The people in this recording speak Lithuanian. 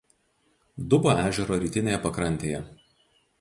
Dubo ežero rytinėje pakrantėje.